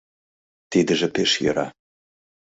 Тидыже пеш йӧра...